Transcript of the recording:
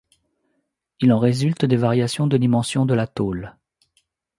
Il en résulte des variations de dimension de la tôle.